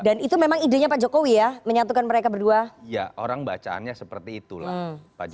dan itu memang idenya pak jokowi ya menyatukan mereka berdua ya orang bacaannya seperti itulah